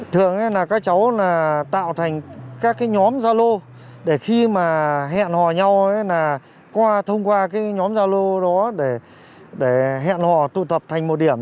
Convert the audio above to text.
thường các cháu tạo thành các nhóm giao lô để khi mà hẹn hò nhau thông qua nhóm giao lô đó để hẹn hò tụ tập thành một điểm